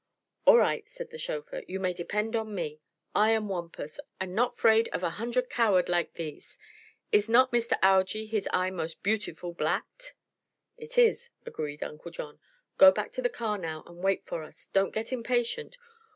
"All right," said the chauffeur. "You may depend on me. I am Wampus, an' not 'fraid of a hundred coward like these. Is not Mister Algy his eye mos' beautiful blacked?" "It is," agreed Uncle John. "Go back to the car now, and wait for us. Don't get impatient.